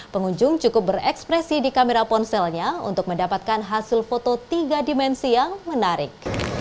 pengunjung cukup berekspresi di kamera ponselnya untuk mendapatkan hasil foto tiga dimensi yang menarik